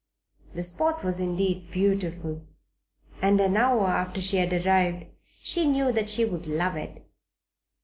The spot was, indeed, beautiful, and an hour after she had arrived she knew that she would love it.